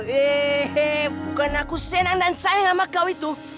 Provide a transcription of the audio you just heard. hei bukan aku senang dan sayang sama kau itu